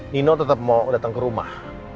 nino tetep mau dateng ke rumah